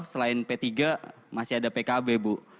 selain p tiga masih ada pkb bu